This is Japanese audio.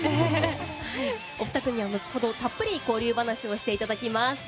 お二組は後ほどたっぷり交流話をしていただきます。